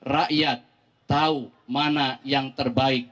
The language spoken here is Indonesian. rakyat tahu mana yang terbaik